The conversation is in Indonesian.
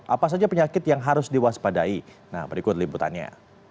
apa saja penyakit yang harus diwaspadai nah berikut liputannya